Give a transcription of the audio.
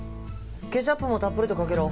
ケチャップもたっぷりとかけろ。